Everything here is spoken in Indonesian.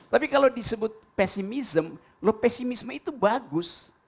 tapi kalau disebut pesimism loh pesimisme itu bagus